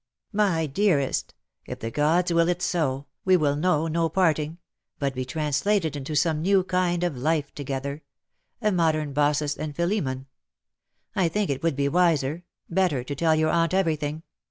" My dearest! if the gods will it so^ we will know ^NOT DEATH, BUT LOVE.'" 133 no parting, but be translated into some new kind of life together — a modern Baucis and Philemon. I think it would be wiser — better^ to tell your aunt everything.